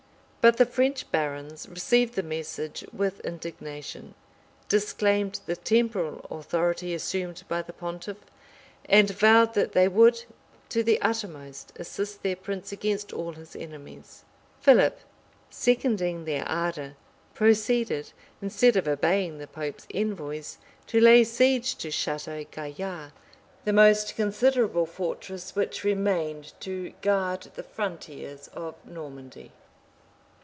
But the French barons received the message with indignation; disclaimed the temporal authority assumed by the pontiff; and vowed that they would, to the uttermost, assist their prince against all his enemies; Philip, seconding their ardor, proceeded, instead of obeying the pope's envoys, to lay siege to Chateau Gaillard, the most considerable fortress which remained to guard the frontiers of Normandy.